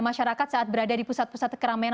masyarakat saat berada di pusat pusat keramaian